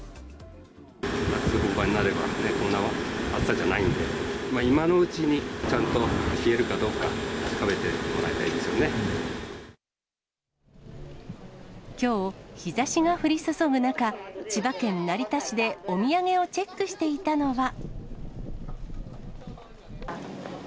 夏本番になれば、こんな暑さじゃないんで、今のうちに、ちゃんと冷えるかどうか、きょう、日ざしが降り注ぐ中、千葉県成田市でお土産をチェックしていたのは。